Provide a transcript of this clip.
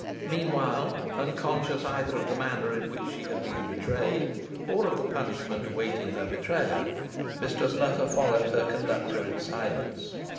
Meanwhile, unconscious either of the manner in which she had been betrayed, or of the punishment awaiting her betrayer, Mistress Nutter followed her conductor in silence.